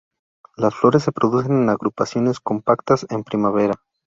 Las flores se producen en agrupaciones compactas en primavera.